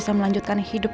waduh aku sudah lupa